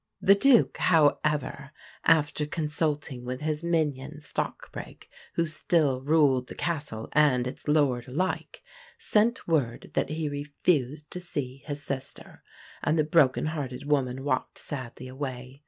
The Duke, however, after consulting with his minion Stockbrigg, who still ruled the castle and its lord alike, sent word that he refused to see his sister; and the broken hearted woman walked sadly away.